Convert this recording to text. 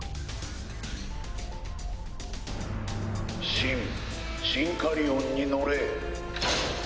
シンシンカリオンに乗れ。